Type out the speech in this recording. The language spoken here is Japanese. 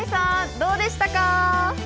どうでしたか？